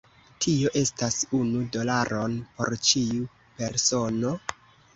Tio estas unu dolaron por ĉiu persono?